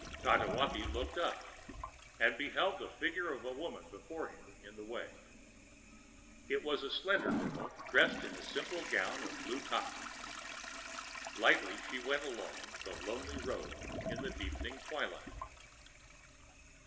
Tatewaki looked up and beheld the figure of a woman before him in the way. It was a slender girl dressed in a simple gown of blue cotton. Lightly she went along the lonely road in the deepening twilight.